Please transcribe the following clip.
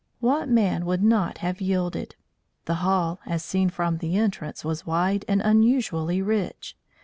What man would not have yielded? The hall, as seen from the entrance, was wide and unusually rich.